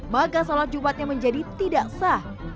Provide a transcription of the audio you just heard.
maka sholat jumatnya menjadi tidak sah